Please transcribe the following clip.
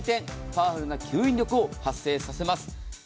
パワフルな吸引力を発生させます。